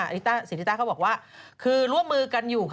ศรีริต้าเขาบอกว่าคือร่วมมือกันอยู่ค่ะ